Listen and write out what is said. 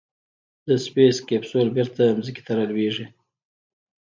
د سپېس کیپسول بېرته ځمکې ته رالوېږي.